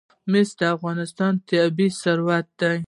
مس د افغانستان طبعي ثروت دی.